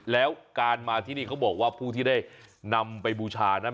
แล้วการมาที่นี่เขาบอกว่าผู้ที่ได้นำไปบูชานั้น